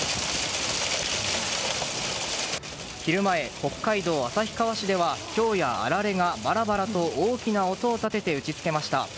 昼前、北海道旭川市ではひょうやあられがばらばらと大きな音を立てて打ち付けました。